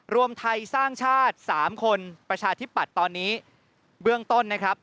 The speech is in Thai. รวมไทยสร้างชาติ๓คนประชาธิปัตย์ตอนนี้เบื้องต้นนะครับ